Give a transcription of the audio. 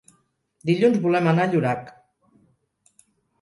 Dilluns volem anar a Llorac.